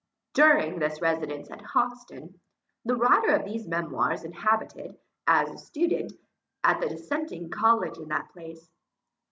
During this residence at Hoxton, the writer of these memoirs inhabited, as a student, at the dissenting college in that place.